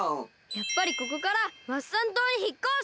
やっぱりここからワッサン島にひっこす！